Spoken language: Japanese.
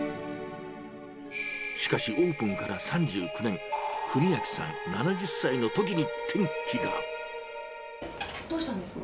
しかし、オープンから３９年、どうしたんですか？